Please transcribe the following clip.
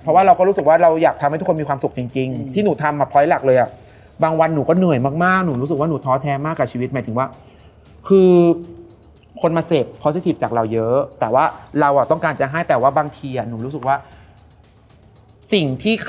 เพราะว่าอ้าวเริ่มเห็นคนนึงละ